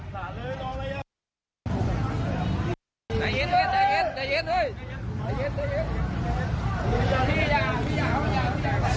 ใจเย็นเย็นใจเย็นเฮ้ยใจเย็นใจเย็น